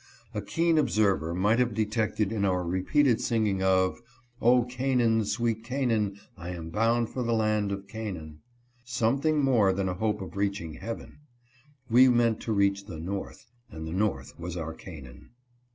A keen observer might have detected in our repeated singing of " O Canaan, sweet Canaan, I am bound for the land of Canaan," I AM THE MAN. 197 something more than a hope of reaching heaven. We meant to reach the North, and the North was our Canaan.